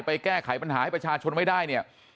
แก้ไขปัญหาให้ประชาชนไม่ได้เนี่ย